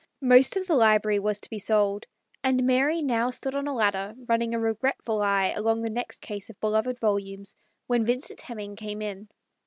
Most of the library was to be sold, and Mary now stood on a ladder, running a regretful eye along the next case of beloved volumes, when Vincent Hemming came in.